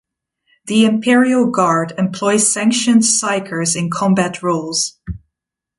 The Imperial Guard employs sanctioned psykers in combat roles.